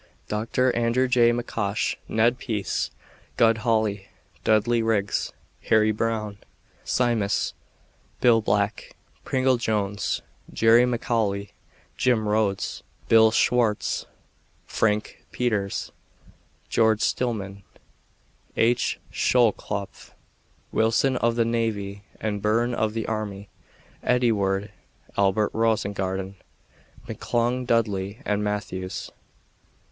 Doctor Andrew J. McCosh, Ned Peace, Gus Holly, Dudley Riggs, Harry Brown, Symmes, Bill Black, Pringle Jones, Jerry McCauley, Jim Rhodes, Bill Swartz, Frank Peters, George Stillman, H. Schoellkopf, Wilson of the Navy and Byrne of the Army, Eddie Ward, Albert Rosengarten, McClung, Dudley and Matthews.